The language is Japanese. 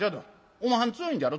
おまはん強いんじゃろ？